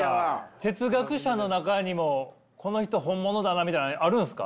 哲学者の中にもこの人本物だなみたいなのあるんすか？